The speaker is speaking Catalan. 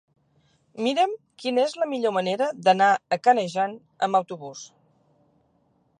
Mira'm quina és la millor manera d'anar a Canejan amb autobús.